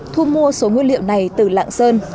thu mua số nguyên liệu này từ lạng sơn